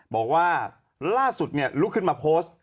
บอกว่าล่าสุดลุกขึ้นมาโพสต์